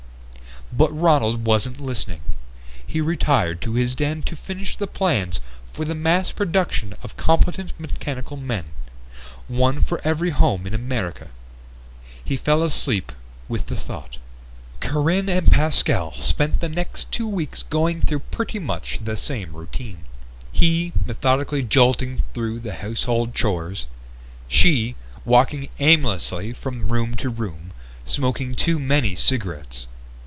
But Ronald wasn't listening. He retired to his den to finish the plans for the mass production of competent mechanical men. One for every home in America.... He fell asleep with the thought. Corinne and Pascal spent the next two weeks going through pretty much the same routine. He, methodically jolting through the household chores; she, walking aimlessly from room to room, smoking too many cigarettes.